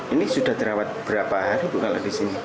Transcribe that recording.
ini sudah dirawat berapa hari kalau di sini